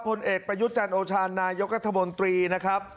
ผลเอกประยุทธ์จันทร์โอชาญนายกรัฐมนตรีนะครับ